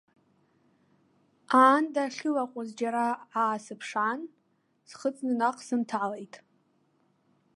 Аанда ахьылаҟәыз џьара аасыԥшаан, схыҵны наҟ сынҭалеит.